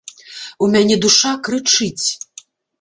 У мяне душа крычыць!